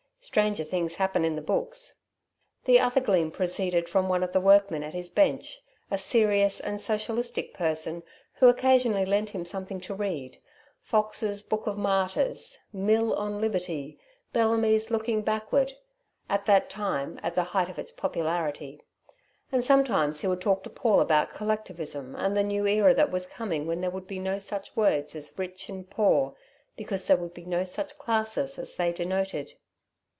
Stranger things happened in the books. The other gleam proceeded from one of the workmen at his bench, a serious and socialistic person who occasionally lent him something to read: Foxe's "Book of Martyrs," "Mill on Liberty," Bellamy's "Looking Backward," at that time at the height of its popularity. And sometimes he would talk to Paul about collectivism and the new era that was coming when there would be no such words as rich and poor, because there would be no such classes as they denoted.